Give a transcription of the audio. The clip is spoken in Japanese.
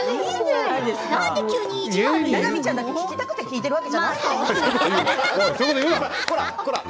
ななみちゃんも聞きたくて聞いてるわけじゃないよ。